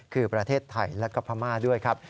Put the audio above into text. คือประเทศไทยและก็พม่าด้วยครับ